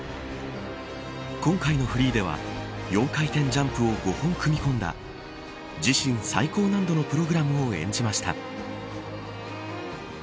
今回のフリーでは４回転ジャンプを５本組み込んだ自身最高難度のプログラムを演じました。